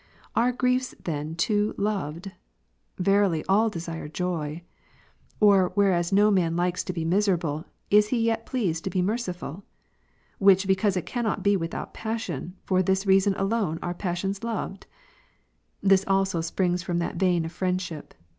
3. Are griefs then too loved? Verily all desire joy. Or whereas no man likes to be miserable, is he yet pleased to be merciful ? which because it cannot be without passion, for this reason alone are passions loved ? This also springs from that vein of friendship.